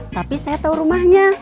tapi saya tahu rumahnya